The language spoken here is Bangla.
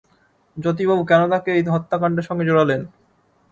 জ্যোতিবাবু কেন তাঁকে এই হত্যাকাণ্ডের সঙ্গে জড়ালেন?